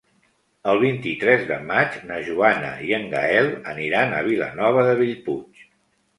El vint-i-tres de maig na Joana i en Gaël aniran a Vilanova de Bellpuig.